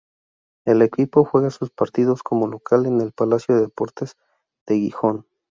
El equipo juega sus partidos como local en el Palacio de Deportes de Gijón.